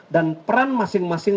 dan peran masing masing